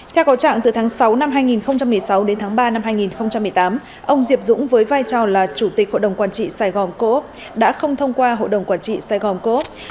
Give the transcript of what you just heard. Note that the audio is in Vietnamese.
theo cầu trạng từ tháng sáu năm hai nghìn một mươi sáu đến tháng ba năm hai nghìn một mươi tám ông diệp dũng với vai trò là chủ tịch hội đồng quản trị sài gòn cô ốc đã không thông qua hội đồng quản trị sài gòn coop